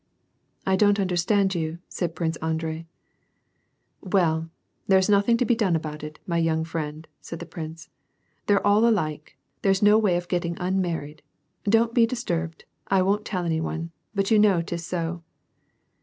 "I don't understand you," said Prince Andrei. "Well, there's nothing to be done about it, my young friend," said the prince ;" they're all alike, there's no way of getting unmarried. Don't be disturbed, I won't tell any one, but you know 'tis so."